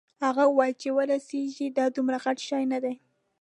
هغه وویل چې ورسیږې دا دومره غټ شی نه دی.